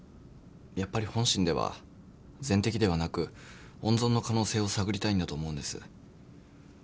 やっぱり本心では全摘ではなく温存の可能性を探りたいんだと思うんです。